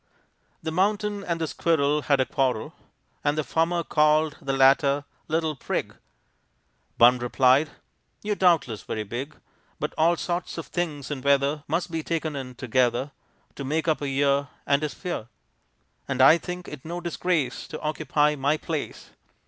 The mountain and the squirrel Had a quarrel, And the former called the latter "Little Prig"; Bun replied, "You are doubtless very big; But all sorts of things and weather Must be taken in together, To make up a year And a sphere. And I think it no disgrace To occupy my place.